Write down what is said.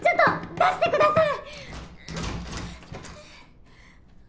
出してください！